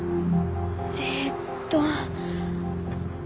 えっと。